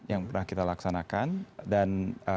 yang pernah kita laksanakan dan